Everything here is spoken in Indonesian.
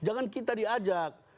jangan kita diajak